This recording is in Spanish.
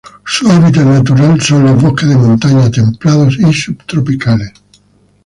Su hábitat natural son los bosques de montaña templados y subtropicales.